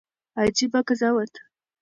عجيبه قضاوت